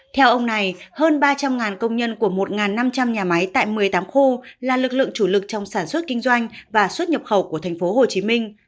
theo ông này hơn ba trăm linh công nhân của một năm trăm linh nhà máy tại một mươi tám khu là lực lượng chủ lực trong sản xuất kinh doanh và xuất nhập khẩu của thành phố hồ chí minh